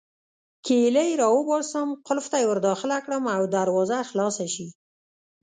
کیلۍ راوباسم، قلف ته يې ورداخله کړم او دروازه خلاصه شي.